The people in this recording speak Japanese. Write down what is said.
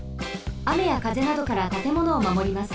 あめやかぜなどからたてものをまもります。